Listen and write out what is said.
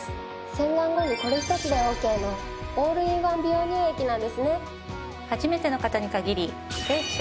洗顔後にこれひとつでＯＫのオールインワン美容乳液なんですね。